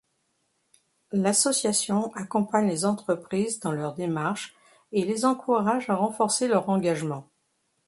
L'association accompagne les entreprises dans leur démarche et les encourage à renforcer leur engagement.